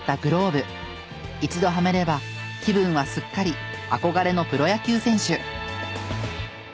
一度はめれば気分はすっかり憧れのプロ野球選手。